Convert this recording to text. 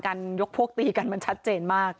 ยกพวกตีกันมันชัดเจนมาก